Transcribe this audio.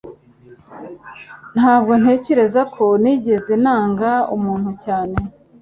Ntabwo ntekereza ko nigeze nanga umuntu cyane.